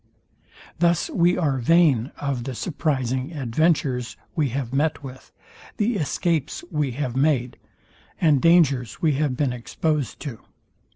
Thus we are vain of the surprising adventures we have met with, the escapes we have made, and dangers we have been exposed to.